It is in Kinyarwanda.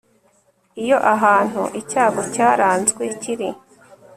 iyo ahantu icyago cyaranzwe kiri